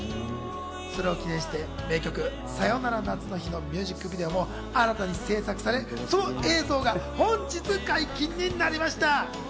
それを記念して名曲『さよなら夏の日』のミュージックビデオも新たに制作され、その映像が本日解禁になりました。